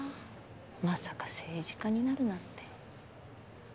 まさか政治家になるなんて。